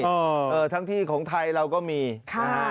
เออเออทั้งที่ของไทยเราก็มีค่ะนะฮะ